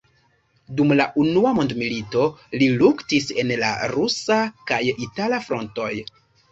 Dum la unua mondmilito li luktis en la rusa kaj itala frontoj.